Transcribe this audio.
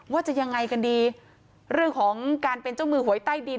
ว่าจะยังไงกันดีเรื่องของการเป็นเจ้ามือหวยใต้ดิน